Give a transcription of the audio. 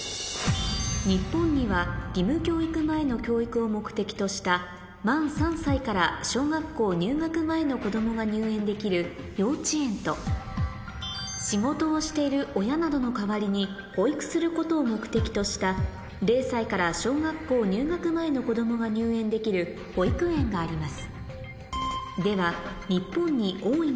日本には義務教育前の教育を目的とした満３歳から小学校入学前の子供が入園できる幼稚園と仕事をしている親などの代わりに保育することを目的とした０歳から小学校入学前の子供が入園できる保育園があります